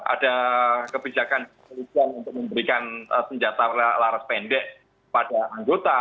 ada kebijakan kepolisian untuk memberikan senjata laras pendek pada anggota